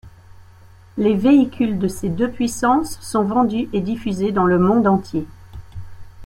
Les véhicules de ces deux puissances sont vendus et diffusés dans le monde entier.